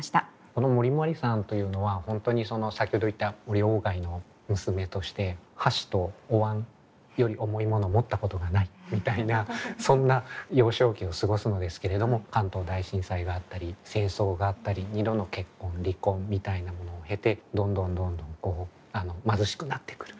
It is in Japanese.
この森茉莉さんというのは本当に先ほど言った森外の娘として箸とお椀より重い物持ったことがないみたいなそんな幼少期を過ごすのですけれども関東大震災があったり戦争があったり２度の結婚離婚みたいなものを経てどんどんどんどん貧しくなってくる。